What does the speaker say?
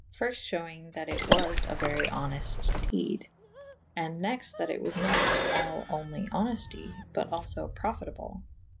Fyrft fhewing that it was a very honelte dede. .A.nd next / that it was nat all onely honefty : but alfo profitable.